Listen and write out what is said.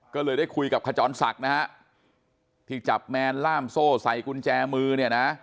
ก็เลยได้คุยกับขจรศักดิ์นะฮะที่จับแมนล่ามโซ่ใส่กุญแจมือเนี่ยนะ